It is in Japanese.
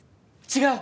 違う！